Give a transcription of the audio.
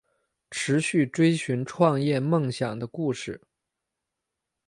持续追寻创业梦想的故事